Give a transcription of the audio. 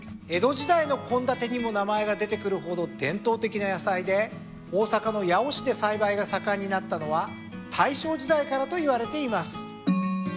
江戸時代の献立にも名前が出てくるほど伝統的な野菜で大阪の八尾市で栽培が盛んになったのは大正時代からといわれています。